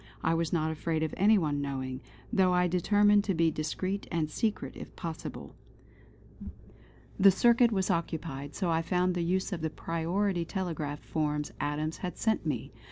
I was not afraid of any one knowing, though I determined to be discreet and secret if possible. The circuit was occupied, so I found the use of the priority telegraph forms Adams had sent me.